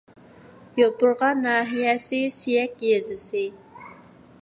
يوپۇرغا ناھىيەسى سىيەك يېزىسى